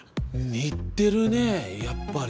似てるねぇやっぱり！